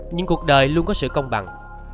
nhưng cuộc đời luôn có sự công bằng